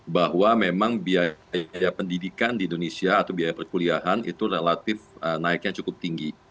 bahwa memang biaya pendidikan di indonesia atau biaya perkuliahan itu relatif naiknya cukup tinggi